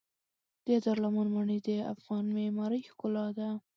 د دارالامان ماڼۍ د افغان معمارۍ ښکلا ده.